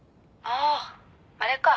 あああれか。